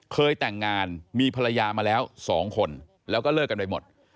เคยแต่งงานมีภรรยามาแล้ว๒คนแล้วก็เลิกกันไปหมด